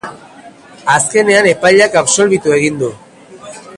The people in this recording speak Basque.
Azkenean epaileak absolbitu egin du.